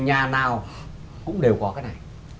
nhà nào cũng đều có cái này